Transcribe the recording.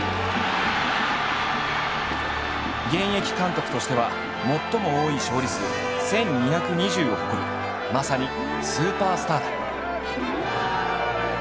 現役監督としては最も多い勝利数１，２２０を誇るまさにスーパースターだ。